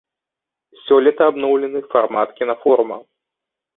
Сёлета абноўлены фармат кінафорума.